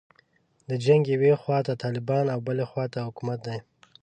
د جنګ یوې خواته طالبان او بلې خواته حکومت دی.